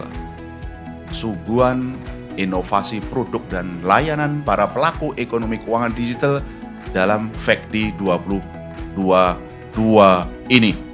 kesuguhan inovasi produk dan layanan para pelaku ekonomi keuangan digital dalam fekdi dua ribu dua puluh dua ini